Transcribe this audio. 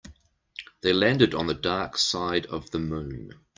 They landed on the dark side of the moon.